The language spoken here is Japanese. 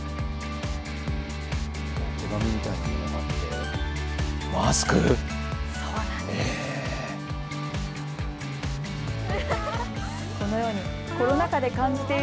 手紙みたいなものがあって。